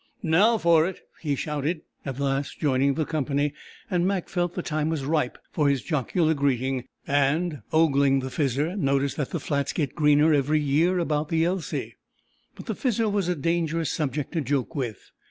"Now for it!" he shouted, at last joining the company, and Mac felt the time was ripe for his jocular greeting and, ogling the Fizzer, noticed that "The flats get greener every year about the Elsey." But the Fizzer was a dangerous subject to joke with.